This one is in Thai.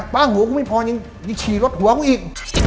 หัวกูไม่พอยังขี่รถหัวกูอีก